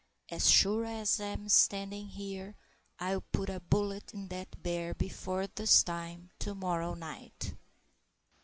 As sure as I'm standing here, I'll put a bullet in that bear before this time to morrow night!"